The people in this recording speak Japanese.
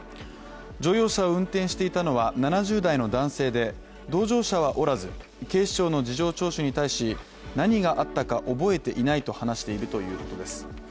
乗用車を運転していたのは７０代の男性で同乗者はおらず、警視庁の事情聴取に対し何があったか覚えていないと話しているということです。